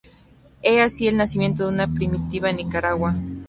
He así, el nacimiento de una primitiva Nicaragua.